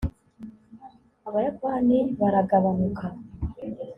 abayapani baragabanuka